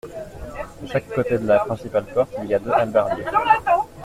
De chaque côté de la principale porte, il y a deux hallebardiers.